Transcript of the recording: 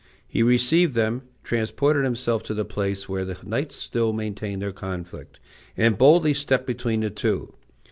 He received them, transported himself to the place where the knights still maintained their conflict, and boldly stepped between the two.